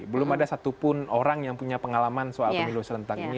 belum ada satupun orang yang punya pengalaman soal pemilu serentak ini